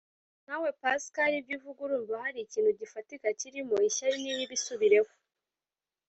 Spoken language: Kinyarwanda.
nkawe pascal ibyuvuga urumva hari ikintu gifatika cyirimo "ishyari niribi isubireho